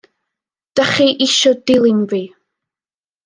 Dach chi isio dilyn fi?